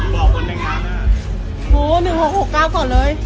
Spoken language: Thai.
บอกบนแห่งทางอ่ะโอ้หนึ่งหกหกเก้าก่อนเลย